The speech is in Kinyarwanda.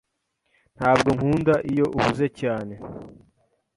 Ntabwo nkunda iyo uhuze cyane.